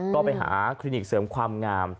ก็ไปหาคลินิกเสริมความงาม